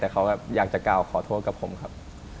แต่เขาอยากจะกล่าวขอโทษกับผมครับ